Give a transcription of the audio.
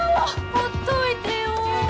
ほっといてよ